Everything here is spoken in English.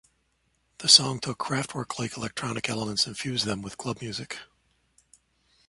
The song took Kraftwerk-like electronic elements and fused them with club music.